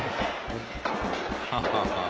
ハハハハッ。